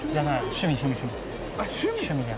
趣味？